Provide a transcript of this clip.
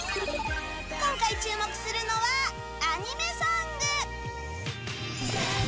今回注目するのはアニメソング。